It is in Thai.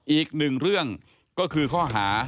อีกหนึ่งเรื่องก็คือข้อหา